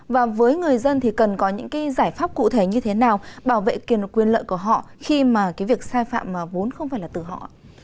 và với người dân thì cần có những cái giải pháp cụ thể như thế nào bảo vệ quyền lợi của họ khi mà cái việc sai phạm vốn không phải là từ họ